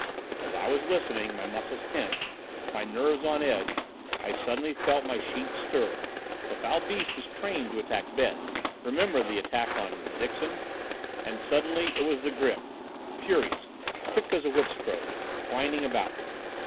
As I was listening, my muscles tense, my nerves on edge, I suddenly felt my sheet stir the foul beast is trained to attack beds, remember the attack on Dixon and suddenly it was the grip, furious, quick as a whip stroke, twining about me.